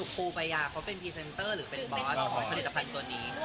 เพราะเป็นพรีเซนเตอร์หรือบอสของผลิตภัณฑ์ตัวนี้